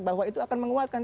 bahwa itu akan menguatkan